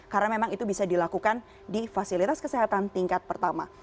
karena memang itu bisa dilakukan di fasilitas kesehatan tingkat pertama